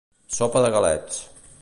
Sopa de galets